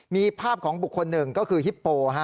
มีภาพของบุคคลหนึ่งก็คือฮิปโป